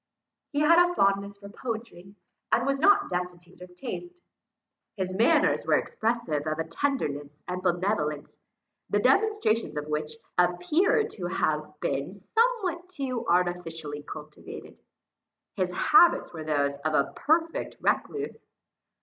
He had a fondness for poetry, and was not destitute of taste. His manners were expressive of a tenderness and benevolence, the demonstrations of which appeared to have been somewhat too artificially cultivated. His habits were those of a perfect recluse.